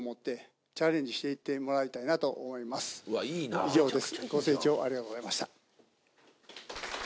以上です。